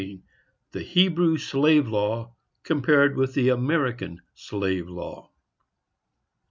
THE HEBREW SLAVE LAW COMPARED WITH THE AMERICAN SLAVE LAW.